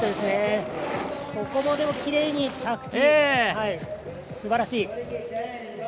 ここもきれいに着地すばらしい！